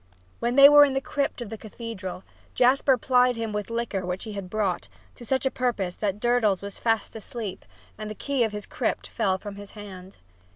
While they were in the crypt of the cathedral Jasper plied him with liquor which he had brought, to such purpose that Durdles went fast asleep and the key of the crypt fell from his hand.